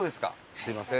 すみません